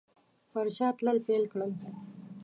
پر شا تلل پیل کړل.